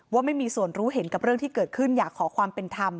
ว่าไม่มีส่วนรู้เห็นกับเรื่องที่เกิดขึ้นอยากขอความเป็นธรรม